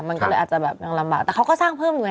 มันก็เลยอาจจะแบบยังลำบากแต่เขาก็สร้างเพิ่มอยู่ไง